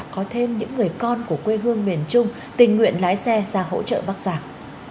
có thêm những người con của quê hương miền trung tình nguyện lái xe ra hỗ trợ bắc giang